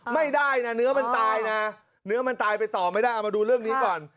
ไม่ได้นะเนื้อมันตายนะเนื้อมันตายไปต่อไม่ได้เอามาดูเรื่องนี้ก่อน